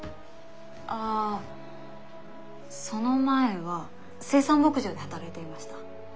あその前は生産牧場で働いていました。